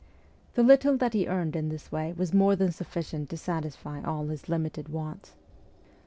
The little that he earned in this way was more than sufficient to satisfy all his limited wants.